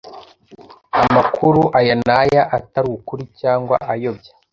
amakuru aya n'aya atari ukuri cyangwa ayobya